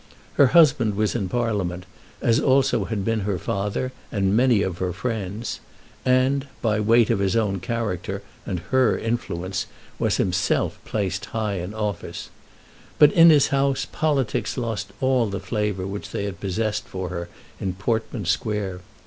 Her husband was in Parliament, as also had been her father, and many of her friends, and, by weight of his own character and her influence, was himself placed high in office; but in his house politics lost all the flavour which they had possessed for her in Portman Square.